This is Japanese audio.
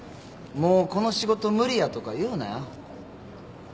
もうこの仕事無理やとか言うなよ。